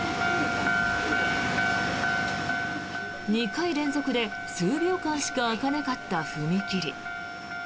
２回連続で数秒間しか開かなかった踏切。